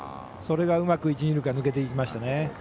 それがうまく一、二塁間抜けていきましたね。